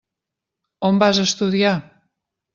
On vas estudiar?